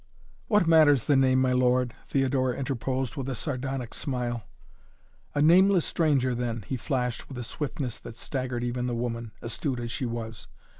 "What matters the name, my lord?" Theodora interposed with a sardonic smile. "A nameless stranger then," he flashed with a swiftness that staggered even the woman, astute as she was.